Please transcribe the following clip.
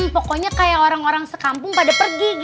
pokoknya kayak orang orang sekampung pada pergi